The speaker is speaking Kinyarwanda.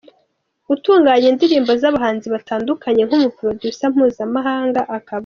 gutunganya indirimbo z'abahanzi batandukanye nkumuproducer mpuzamahanga, akaba.